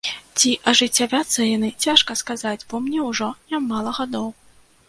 Ці ажыццявяцца яны, цяжка сказаць, бо мне ўжо нямала гадоў.